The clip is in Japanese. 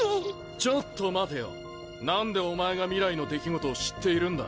ちょっと待てよ何でお前が未来の出来事を知っているんだ。